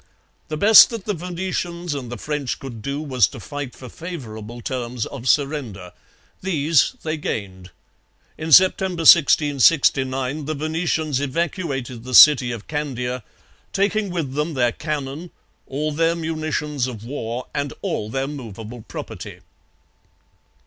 The best that the Venetians and the French could do was to fight for favourable terms of surrender. These they gained. In September 1669 the Venetians evacuated the city of Candia, taking with them their cannon, all their munitions of war, and all their movable property.